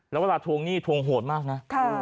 แล้วเวลาทวงหนี้ทวงโหดมากนะ